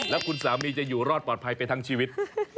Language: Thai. แล้วคุณสามีจะอยู่รอดปลอดภัยไปทั้งชีวิต